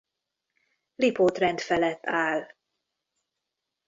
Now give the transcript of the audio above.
Lipót-rend felett áll.